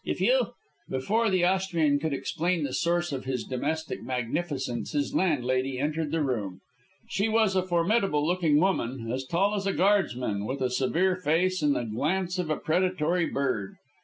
If you " Before the Austrian could explain the source of his domestic magnificence his landlady entered the room. She was a formidable looking woman, as tall as a Guardsman, with a severe face and the glance of a predatory bird.